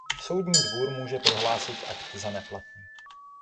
Soudní dvůr může prohlásit akt za neplatný.